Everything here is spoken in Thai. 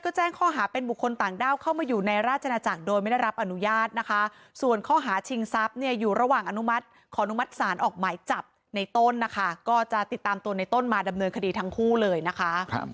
ก็จะติดตามตัวในต้นมาดำเนินคดีทั้งคู่เลยนะคะ